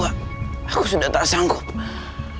aku direktris kabin jempa